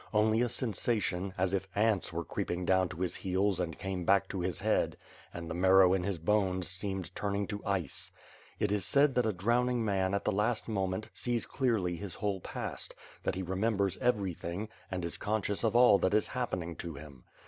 Only a sen sation, as if ants were creeping down to his heels and came back to his head, and the marrow in his bones seemed turning ^^o ice. It is said that a drowning man at the last moment ^es clearly his whole past; that he remembers everything, and is conscious of all that is happening to him.